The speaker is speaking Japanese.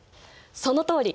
そのとおり！